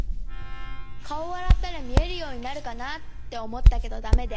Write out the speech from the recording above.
かおあらったらみえるようになるかなっておもったけどだめで。